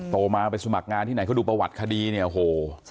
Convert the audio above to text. โตมาไปสมัครงานที่ไหนเขาดูประวัติคดีเนี่ยโอ้โห